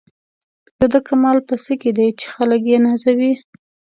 د ده کمال په څه کې دی چې خلک یې نازوي.